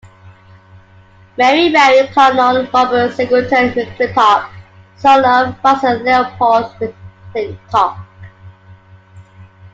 Mary married Colonel Robert Singleton McClintock, son of Francis Leopold McClintock.